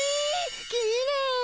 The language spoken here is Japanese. きれい！